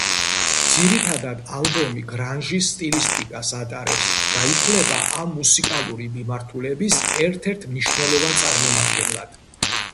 ძირითადად ალბომი გრანჟის სტილისტიკას ატარებს და ითვლება ამ მუსიკალური მიმართულების ერთ-ერთ მნიშვნელოვან წარმომადგენლად.